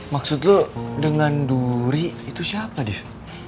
maksud lo dengan duri itu siapa div